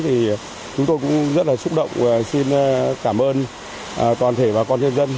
thì chúng tôi cũng rất là xúc động xin cảm ơn toàn thể bà con nhân dân